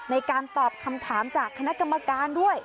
ในการตอบคำถามจากคณะกรรมการด้วย